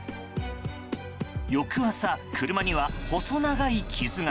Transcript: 翌朝、車には細長い傷が。